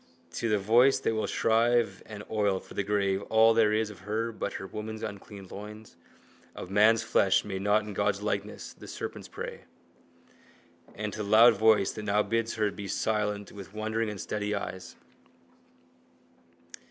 To the voice that will shrive and oil for the grave all there is of her but her woman's unclean loins, of man's flesh made not in God's likeness, the serpent's prey. And to the loud voice that now bids her be silent with wondering unsteady eyes.